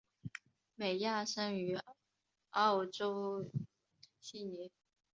美亚生于澳洲悉尼。